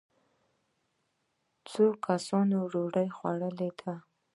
څو کسانو ډوډۍ خوړلې ده.